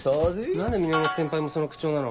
何で源先輩もその口調なの？